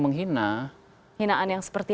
menghina hinaan yang seperti